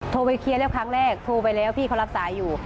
โทรไปเคลียร์แล้วครั้งแรกโทรไปแล้วพี่เขารับสายอยู่